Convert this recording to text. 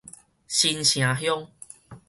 新城鄉